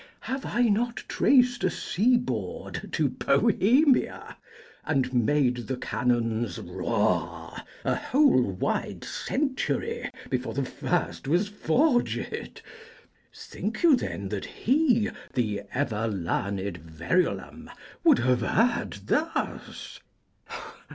Have I not traced A seaboard to Bohemia, and made The cannons roar a whole wide century Before the first was forged? Think you, then, That he, the ever learned Verulam, Would have erred thus?